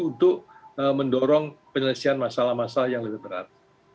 untuk mendorong penyelesaian masalah masalah yang lebih berat